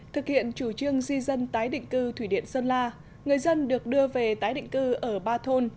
thực hiện chủ trương di dân tái định cư thủy điện sơn la người dân được đưa về tái định cư ở ba thôn